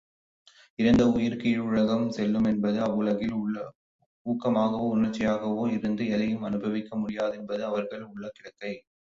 இறந்த உயிர் கீழ் உலகம் செல்லுமென்பதும், அவ்வுலகில் ஊக்கமாகவோ உணர்ச்சியாகவோ இருந்து எதையும் அனுபவிக்க முடியாதென்பதும் அவர்கள் உள்ளக்கிடக்கை.